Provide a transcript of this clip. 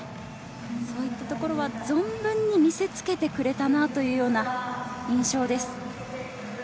そういったところは存分に見せつけてくれたなというような印象です。